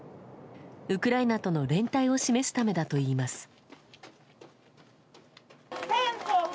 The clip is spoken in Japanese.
ウクライナとの連帯を示すためだといいます。